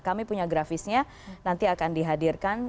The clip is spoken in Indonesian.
kami punya grafisnya nanti akan dihadirkan